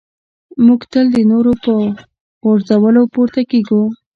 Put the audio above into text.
موږ تل د نورو په غورځولو پورته کېږو.